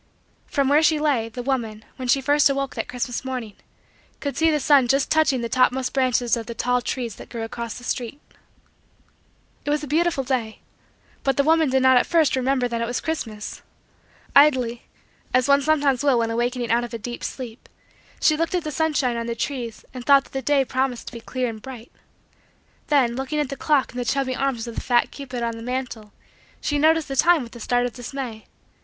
From where she lay, the woman, when she first awoke that Christmas morning, could see the sun just touching the topmost branches of the tall trees that grew across the street. It was a beautiful day. But the woman did not at first remember that it was Christmas. Idly, as one sometimes will when awakening out of a deep sleep, she looked at the sunshine on the trees and thought that the day promised to be clear and bright. Then, looking at the clock in the chubby arms of the fat cupid on the mantle, she noticed the time with a start of dismay.